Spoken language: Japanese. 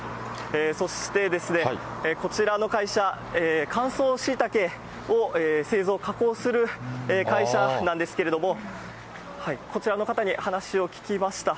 そしてですね、こちらの会社、乾燥しいたけを製造・加工する会社なんですけれども、こちらの方に話を聞きました。